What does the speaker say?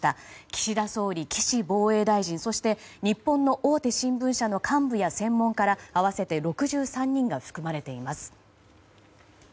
岸田総理、岸防衛大臣そして日本の大手新聞社の幹部や専門家ら合わせて６３人が含まれています。